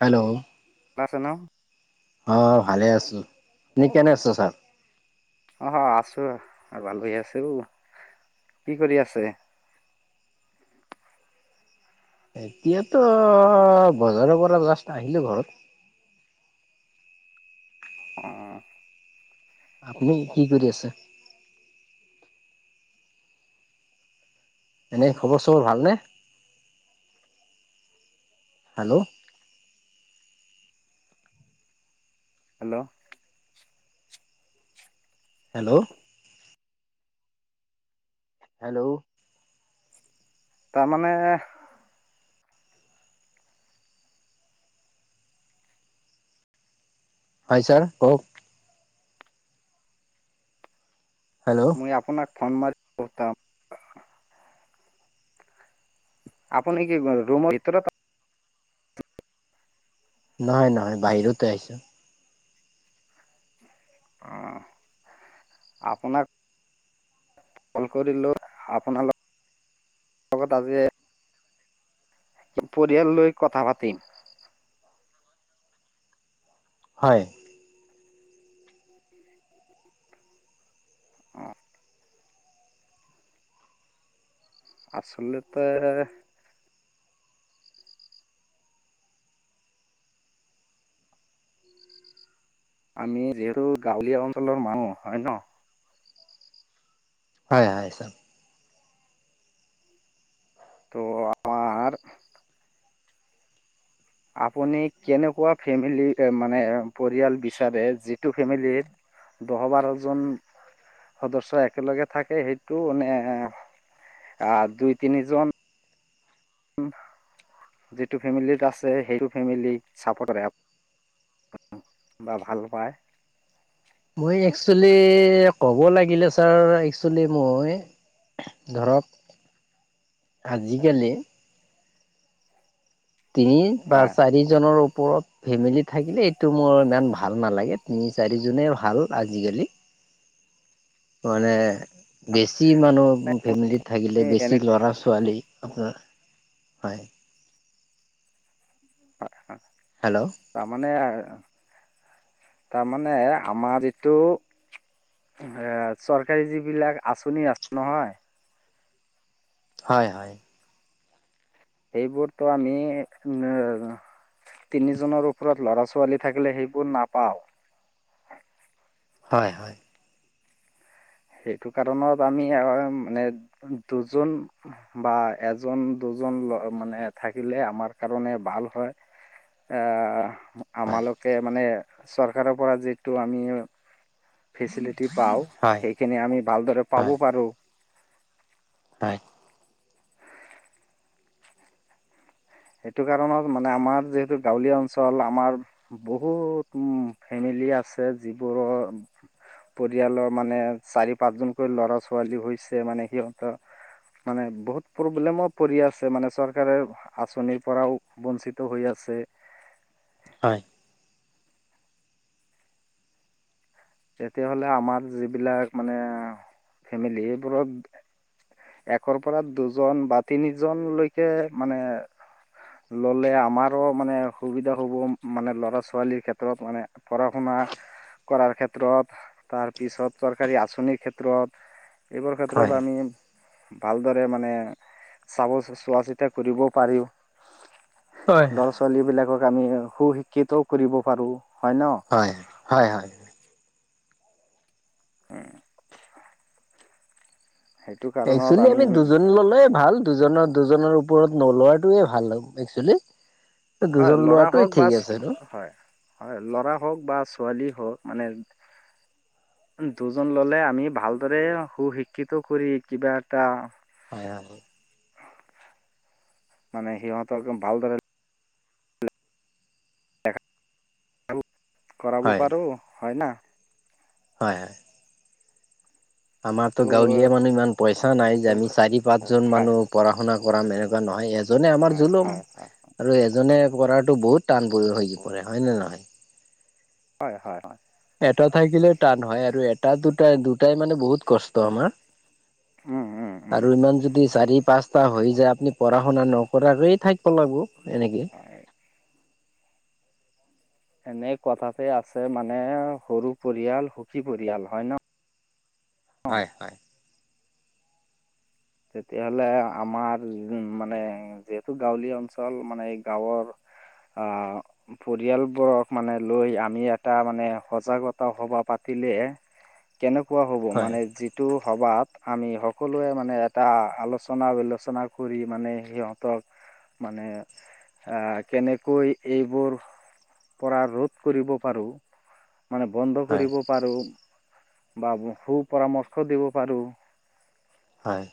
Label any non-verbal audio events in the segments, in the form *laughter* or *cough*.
Hello. *unintelligible* অ', ভালে আছো নি কেনে আছ ছা। অ', আছো ভালই আছে কি কৰি আছে। এতিয়াতো বজাৰৰ পৰা জাষ্ট আহিলো ঘৰত। অ'। আপুনি কি কৰি আছে। এনেই খবৰ চবৰ ভালনে। হেল্ল। হেল্ল। হেল্ল। হেল্ল। তাৰমানেহ হয় ছাৰ কওক। হেল্ল। এ আপোনাক ফোন মাৰি। *unintelligible* আপুনি কি কৰে ৰোমৰ ভিতৰত নহয় নহয় বাহিৰতে আহিছো। অহ', আপোনাক কল কৰিলো আপোনা লগত আজি পৰিয়াল লৈ কথা পাতিম। হয়। *unintelligible* *unintelligible* অ আচলতে আমি যিহেতু গাঁৱলীয়া অঞ্চলৰ মানুহ হয় ন। হয় হয় চাৰ। ত আ মাৰ আপুনি কেনেকুৱা ফেমিলি এ মানে পৰিয়াল বিচাৰে যিটো ফেমিলিত দহ বাৰ জন সদস্য একেলগে থাকে সেইটো নে আ দুই তিনিজন উম যিটো ফেমিলিত আছে সেইটো ফেমিলিক চাপৰ্ট কৰে আ অ বা ভাল পায়। মই একচলি ক'ব লাগিলে ছাৰ একচুৱেলি মই ধৰক আজিকালি তিনি বা হয় চাৰিজনৰ ওপৰত ফেমিলি থাকিলে এইটো মোৰ ইমান ভাল নালাগে তিনি চাৰিজনে ভাল আজিকালি মানে বেছি মানুহ ফেমিলিত উ থাকিলে এই বেছি এনে ল'ৰাছ ছোৱালী অঁ, হয়। *inaudible* হেল্ল'। তাৰমানে- তাৰমানে আমাৰ ইটো- এ চৰকাৰী যিবিলাক আঁচনি আছে নহয়- হয়, হয়। এইবোৰতো আমি উম- তিনিজনৰ ওপৰত লৰা-ছোৱালী থাকিলে সেইবোৰ নাপাওঁ। হয়, হয়। সেইটো কাৰণত আমি আ মানে দুজন- বা এজন দুজন মানে থাকিলে আমাৰ কাৰণে ভাল হয়। আহ, হয় আমালোকে মানে চৰকাৰৰ পৰা যিটো আমি- ফেচিলিটি পাওঁ, হয় হয় সেইখিনি আমি ভালদৰে হয় পাব পাৰোঁ। হয়। সেইটো কাৰণত মানে আমাৰ যিহেতু গাঁৱলীয়া অঞ্চল। আমাৰ- বহুত ফেমিলি আছে যিবোৰৰ- পৰিয়ালৰ মানে চাৰি পাঁচজনকৈ ল'ৰা- ছোৱালী আছে মানে সিহঁতৰ- মানে বহুত প্ৰব্লেমো পৰি আছে। মানে চৰকাৰে- আঁচনিৰ পৰাও বঞ্চিত হৈ আছে। হয়। তেতিয়াহ'লে আমাৰ যিবিলাক মানে ফেমিলি এইবোৰত- একৰ পৰা দুজন বা তিনিজন লৈকে মানে- ললে আমাৰো মানে অসুবিধা হ'ব মানে ল'ৰা ছোৱালীৰ ক্ষেত্ৰত মানে- পঢ়া শুনা কৰাৰ ক্ষে- ত্ৰত, তাৰপিছত চৰকাৰী আঁচনিৰ ক্ষেত্ৰত। হয় এইবোৰ আমি- ভালদৰে মানে চাব চোৱা চিতা কৰিব পাৰিও- হয় ল'ৰা -ছোৱালী বিলাকক আমি সুশিক্ষিতও কৰিব পাৰোঁ, হয় ন? হয়, হয়, হয়। উম। একচুৱেলি আমি দুজন ললেয়ে ভাল, দুজনৰ দুজনৰ ওপৰত নোলোৱাটয়ে ভাল একচুৱেলি। হয়, দুজন ল'ৰা লোৱাটো হওঁক বা ঠিক আছে ন হয়, হয় ল'ৰা হওঁক বা ছোৱালী হওঁক মানে- দুজন ললে আমি ভালদৰে সুশিক্ষিত কৰি কিবা এটা- হয়, হয়, হয়। মানে সিহঁতক একদম ভালদৰে- কৰাব হয় পাৰোঁ, হয় ন? হয়, হয়। আমাৰতো ত' গাঁৱলীয়া মানুহ ইমান পইচা নাই যে আমি চাৰি -পাঁচজন হয় মানুহ- পঢ়া শুনা কৰাম এনেকুৱা নহয়। এজনে আমাৰ হয় জুলুম হয় হয় আৰু এজনে- পঢ়াতো বহুত টান হৈ পৰে হয়, হয়নে নহয়? হয়, হয়। হয় এটা থাকিলে টান হয় আৰু এটা দুটাই দুটাই মানে বহুত কষ্ট আমাৰ। উম উম উম আৰু ইমান যদি চাৰি- পাঁচ- হৈ যায়, আপুনি পঢ়া শুনা নকৰাকৈয়ে ঠাক প লাগব এনেকে। হয়। এনে কথাতে আছে মানে সৰু পৰিয়াল সুখী পৰিয়াল, হয় ন? হয় হয়। তেতিয়াহলে আমাৰ উম মানে যিহেতু গাঁৱলীয়া অঞ্চল মানে গাঁৱৰ আ পৰিয়ালবোৰক মানে লৈ আমি এটা সজাগতা সভা পাতিলে কেনেকুৱা হ'ব হয় মানে যিটো সভাত আমি সকলোৱে মানে এটা আলোচনা বিলোচনা কৰি মানে সিহঁতক মানে আহ কেনেকৈ এইবোৰ পৰা ৰোধ কৰিব পাৰো মানে বন্ধ হয় কৰিব পাৰো বা সু পৰামৰ্শ দিব পাৰো হয়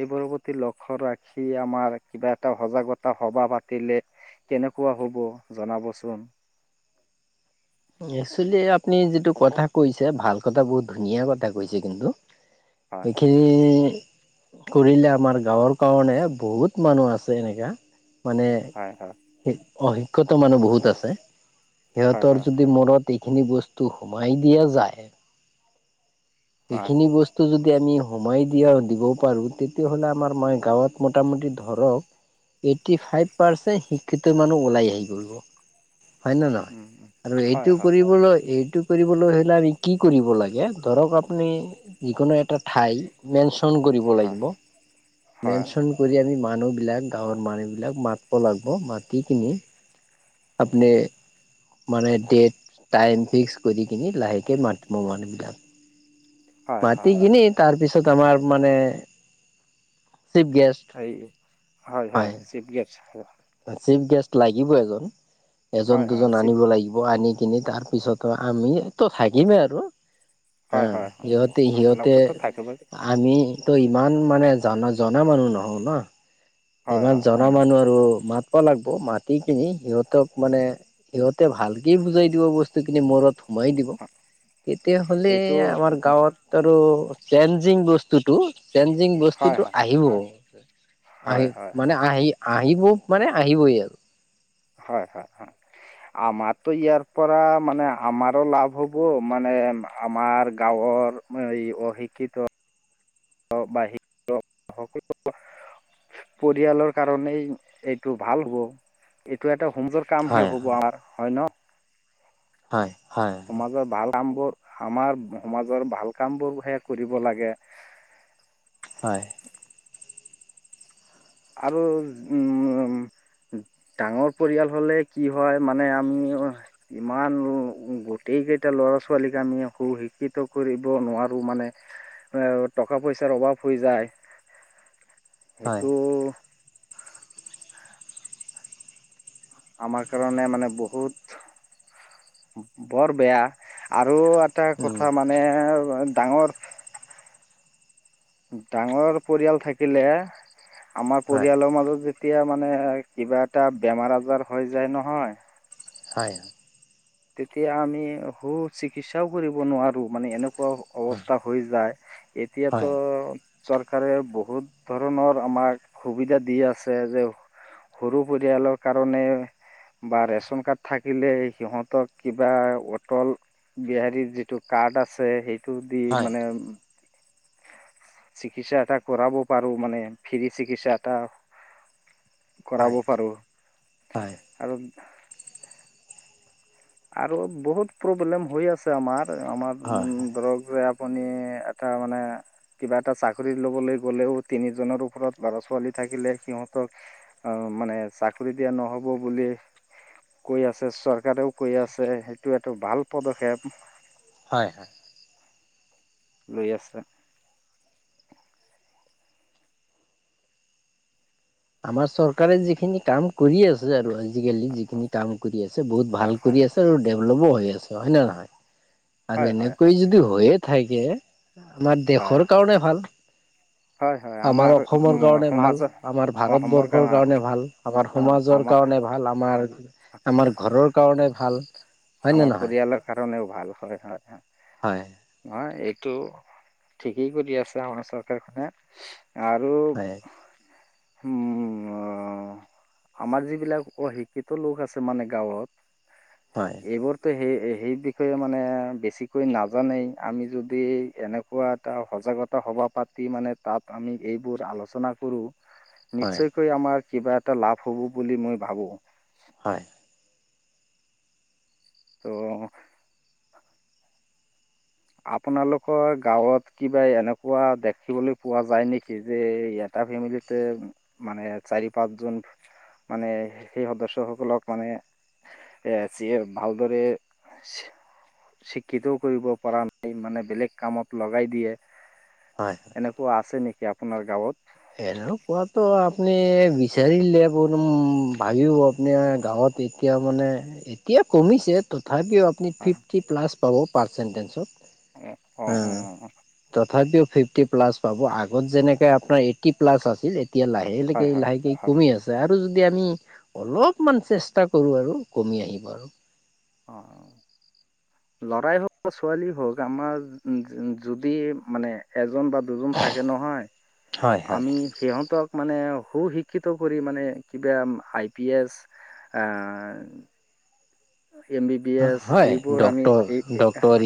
এইবোৰৰ প্ৰতি লক্ষ্য ৰাখি আমাৰ কিবা এটা সজাগতা সভা পাতিলে কেনেকুৱা হ'ব জনাবচোন একচুৱেলি আপুনি যিটো কথা কৈছে ভাল কথা বহুত ধুনীয়া কথা কৈছে কিন্তু হয় হয় এইখিনি কৰিলে আমাৰ গাঁৱৰ কাৰণে বহুত মানুহ আছে এনেকা মানে হয় শ অশিক্ষিত মানুহ বহুত আছে হয় হয় সিহঁতৰ হয় যদি হয় মূৰত এইখিনি বস্তু সোমাই দিয়া যায় হয় এইখিনি বস্ স্তু যদি আমি সোমাই দিয়া দিব পাৰোঁ তেতিয়াহ'লে আমাৰ মা গাঁৱত মোটামুটি ধৰক এইট্টি ফাইভ পাৰ্চেণ্ট শিক্ষিত মানুহ ওলাই আহি কৰিব হয় নে নহয় উম উম আৰু হয় এইটো হয় কৰিবলৈ এইটো কৰিবলৈ হ'লে আমি কি কৰিব লাগে ধৰক আপুনি যিকোনো এটা ঠাই মেনশ্যন কৰিব হয় লাগিব হয় মেনশ্যন কৰি আমি মানুহবিলাক গাঁৱৰ মানুহ বিলাক মাতব লাগব মাতি কিনি আপনি মানে ডেট টাইম ফিক্স কৰি কিনে লাহেকে মাতব মানুহ বিলাক হয় মাটি হয় কিনি তাৰপিছত আমাৰ মানে চিপগেষ্ট সেই হয় হয় চিপ গেষ্ট চিপ গেষ্ট লাগিবই এজন এজন, হয় হয় দুজন চিফ আনিব লাগিব আনি কিনে তাৰ পিছতো আমিতো থাকিমে আৰু হা হয় হয় হয় সিহঁতে সিহঁতে আমালোকেতো থাকিবই আমিতো ইমান মানে জ জনা মানুহ নহও ন হয় ইমান হয় জনা মানুহ আৰু মাত ব লাগব মাটি কিনি সিহঁতক মানে সিহঁতে ভালকে বুজাই দিব বস্তুখিনি মূৰত সোমাই দিব তেতিয়া হলে এইটো আমাৰ গাঁৱত আৰু চেঞ্জিং বস্ স্তুটো চেঞ্জিং হয় বস্তুটো হয় আহিব আহি হয় হয় মানে হয় আহি আহিব মানে আহিবই আৰু হয় হয় হয় আমাৰো ইয়াৰ পৰা মানে আমাৰো লাভ হ'ব মানে আমাৰ গাঁৱৰ এই অশিক্ষিত বাহিৰো সকলো পৰিয়ালৰ কাৰণেই এইটো ভাল হ'ব এইটো এটা সুন্দৰ কামহে হয় হ'ব হয় আমাৰ হয় ন হয় হয় সমাজৰ ভাল কামবোৰ আমাৰ সমাজৰ ভাল কামবোৰহে কৰিব লাগে হয় আৰু উম উ ডাঙৰ পৰিয়াল হলে কি হয় মানে আমিও ইমানো উ গোটেই কেইটা লৰা ছোৱালীক আমি শিক্ষিত কৰিব নোৱাৰো মানে এ টকা পইচাৰ অভাৱ হৈ যায় হয় উ আমাৰ কাৰণে মানে বহুত বৰ বেয়া আৰু আটা উম কথা মানে এ ডাঙৰ ডাঙৰ পৰিয়াল থাকিলে আমাৰ হয় পৰিয়ালৰ মাজত যে তিয়া মানে কিবা এটা বেমাৰ আজাৰ হৈ যায় নহয় হয় তেতিয়া আমি সু চিকিৎসাও কৰিব নোৱাৰো মানে এনেকুৱাও হয় অৱস্থা হৈ যায় এতিয়া হয় ত চৰকাৰে বহুত ধৰণৰ আমাক সুবিধা দি আছে যে সৰু পৰিয়ালৰ কাৰণে বা ৰেচন কাৰ্ড থাকিলে সিহঁত তক কিবা অটল বিহাৰীৰ যিটো কাৰ্ড আছে সেইটো দি হয় মানে চিকিৎসা এটা কৰাব পাৰো মানে ফ্ৰী চিকিৎসা এটা কৰাব হয় পাৰোঁ হয় আৰু আৰু বহুত প্ৰব্লেম হৈ আছে আমাৰ আমাৰ হয় ধৰক যে আপুনি এটা মানে কিবা এটা চাকৰি লবলৈ গ'লেও তিনিজনৰ ওপৰত লৰা ছোৱালী থাকিলে সিহঁতক অ মানে চাকৰি দিয়া নহব বুলি কৈ আছে চৰকাৰেও কই আছে সেইটো এটো ভাল পদক্ষেপ হয় হয় লৈ আছে আমাৰ চৰকাৰে যিখিনি কাম কৰি আছে আৰু আজিকালি যিখিনি কাম কৰি আছে বহুত হয় ভাল হয় কৰি আছে আৰু ডেভলপো হৈ আছে হয়নে নহয় আৰু হয় হয় হয় এনেকৈ যদি হৈয়ে থাকে আমাৰ হয় দেশৰ কাৰণে ভাল হয় হয় আমাৰ অসমৰ উম, কাৰণে ভাল সমাজৰ আমাৰ ভাৰতবৰ্ষৰ কাৰণে ভাল আমাৰ সমাজৰ আমাৰ কাৰনে ভাল আমাৰ আমাৰ ঘৰৰ কাৰণে ভাল হয় নে আমাৰ নহয় পৰিয়ালৰ কাৰণেও ভাল হয় হয় হয় নহয় এইটো ঠিকেই কৰি আছে আমাৰ চৰকাৰখনে আৰু হয় উম অ আমাৰ যিবিলাক শিক্ষিত লোক আছে মানে গাঁৱত হয় এইবোৰতো সেই সেই বিষয়ে মানে বেছিকৈ নাজানেই আমি যদি এনেক কোৱা এটা সজাগতা সভা পাতি মানে তাত আমি এইবোৰ আলোচনা কৰো হয় নিশ্চয়কৈ আমাৰ কিবা এটা লাভ হব বুলি মই ভাবো হয় ত' আপোনালোকৰ গাঁৱত কিবা এনেকুৱা দেখিবলৈ পোৱা যায় যে এটা ফেমিলিত তে মানে চাৰি পাঁচজন মানে সেই সদস্যসকলক মানে এ যিয়ে ভালদৰে চি চিক্ষিতও কৰিব পৰান ই মানে বেলেগ কামত লগাই দিয়ে হয় হয় এনেকুৱা আছে নেকি আপোনাৰ গাঁৱত? এনেকোৱাটো আপুনি বিচাৰিলে বহুত ভাবিব আপুনি গাঁৱত এ এতিয়া মানে এতিয়া কমিছে তথাপিও আপুনি হয়, ফিফটি প্লাছ পাব পাৰ্চেণ্টেঞ্চত। অ অ হম অ, তথাপিও ফিফটি প্লাছ পাব আগত যেনেকে আপোনাৰ এই টি প্লাছ আছিল এতিয়া লাহেলেকে হয় হয় লাহেকে। হয় কমি আছে আৰু যদি আমি অলপমান চেষ্টা কৰো আৰু কমি আহিব আৰু। অ। লৰাই হওক বা ছোৱালী হওক আমাৰ উ উ যদি মানে এজন বা, দুজন থাকে নহয় হয় হয়। আমি, সিহঁতক মানে সু শিক্ষিত কৰি মানে কিবা আই পি এছ, আঁ এম বি বি এছ হয় এইবোৰ আমি ডক্তৰ এই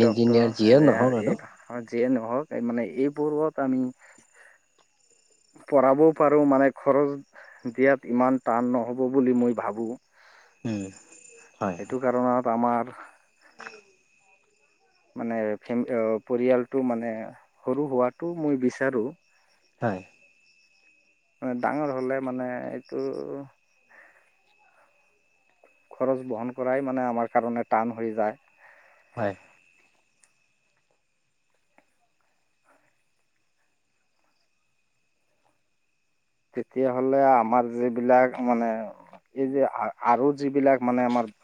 ডক্তৰ ইঞ্জিনিয়াৰ যিয়ে নহওক আৰু। এই, অ যিয়ে নহওক মানে এইবোৰত আমি, পঢ়াবও পাৰো মানে খৰচ, দিয়াত ইমান টান নহ'ব বুলি মই ভাবোঁ। উম। সেইটো কাৰণত আমাৰ, *unintelligible* মানে ফেম পৰিয়ালটো মানে সৰু হোৱটো মই বিচাৰো। হয়। হয় ডাঙৰ হলে মানে এইটো। খৰচ বহন কৰাই মানে আমাৰ কাৰণে টান হৈ যায়। হয়। তেতিয়াাহ'লে আমাৰ যিবিলাক মানে এই যে আ‌ আৰু যিবিলাক মানে আমাৰ,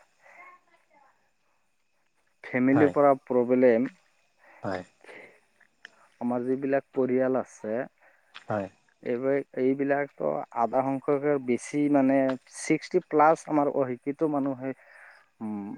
ফেমিলিৰ হয় পৰা প্ৰব্লেম, হয়। আমাৰ যিবিলাক পৰিয়াল আছে, হয়। এইবা এইবিলাক অ আধা সংখ্যয়কে বেছি মানে, ছিক্সটি প্লাছ আমাৰ অশিক্ষিত মানুহে উম,